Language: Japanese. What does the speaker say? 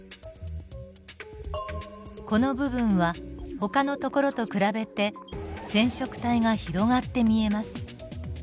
この部分はほかのところと比べて染色体が広がって見えます。